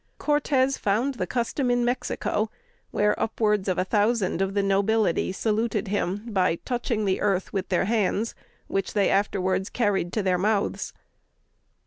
Cortez found the custom in Mexico, where upwards of a thousand of the nobility saluted him by touching the earth with their hands, which they carried afterwards to their mouths.